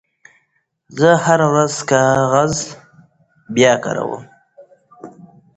زه هره ورځ کاغذ بیاکاروم.